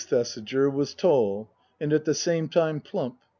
Thesiger was tall and at the same time plump.